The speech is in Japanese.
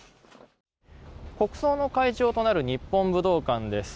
国葬の会場となる日本武道館です。